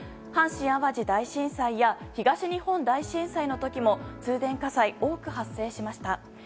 阪神・淡路大震災や東日本大震災の時も通電火災、多く発生しました。